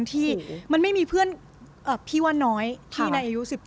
ที่มันไม่มีเพื่อนพี่ว่าน้อยที่ในอายุ๑๘